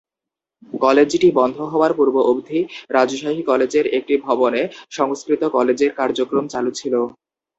কলেজটি বন্ধ হওয়ার পূর্ব অবধি রাজশাহী কলেজের একটি ভবনে সংস্কৃত কলেজের কার্যক্রম চালু ছিল।